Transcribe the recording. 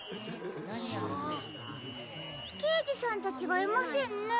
けいじさんたちがいませんね。